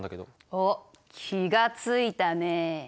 おっ気が付いたね。